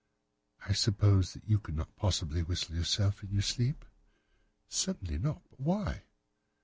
"'I suppose that you could not possibly whistle, yourself, in your sleep?' "'Certainly not. But why?